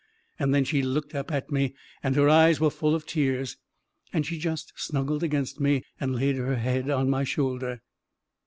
And then she looked up at me, and her eyes were full of tears, and she just snuggled against me and laid her head on my shoulder